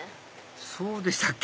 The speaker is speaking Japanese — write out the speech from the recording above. そうでしたっけ？